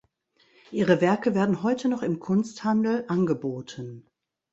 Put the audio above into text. Ihre Werke werden heute noch im Kunsthandel angeboten.